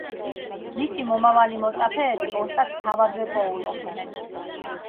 მისი მომავალი მოწაფეები ოსტატს თავადვე პოულობდნენ.